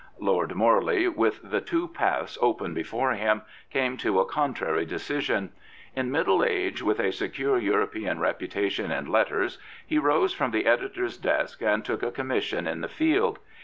Lord Morley, with the " two paths " open before him, came to a contrary decision. In middle age, with a secure European reputation in letters, he rose from the editor's desk and took a commission in the field.